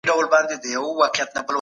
د لمر وړانګې دلته په مناسبه اندازه دي.